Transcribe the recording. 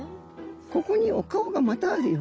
ここにお顔がまたあるよ。